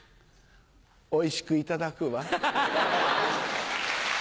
おいしくいただくわ。